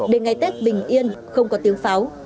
để ngày tết bình yên không có tiếng pháo